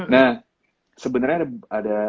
nah sebenernya ada